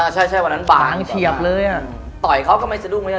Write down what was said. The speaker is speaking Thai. ใช่วันนั้นบางต่อยเขาก็ไม่สะดุ้งเลย